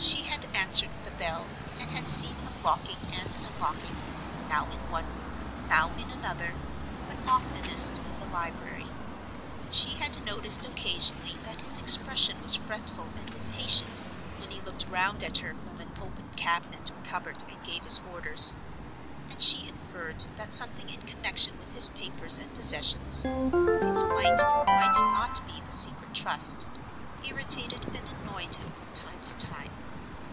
She had answered the bell, and had seen him locking and unlocking, now in one room, now in another, but oftenest in the library. She had noticed occasionally that his expression was fretful and impatient when he looked round at her from an open cabinet or cupboard and gave his orders; and she inferred that something in connection with his papers and possessions—it might or might not be the Secret Trust—irritated and annoyed him from time to time.